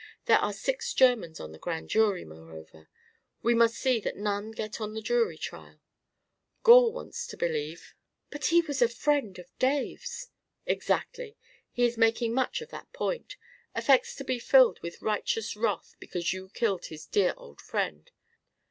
There are six Germans on the Grand Jury, moreover. We must see that none get on the trial jury. Gore wants to believe " "But he was a friend of Dave's." "Exactly. He is making much of that point. Affects to be filled with righteous wrath because you killed his dear old friend.